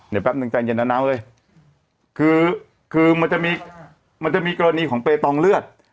เดี๋ยวแป๊บหนึ่งใจเย็นนาวเลยคือคือมันจะมีมันจะมีกรณีของเปตองเลือด